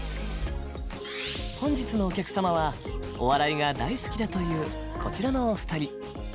本日のお客様はお笑いが大好きだというこちらのお二人。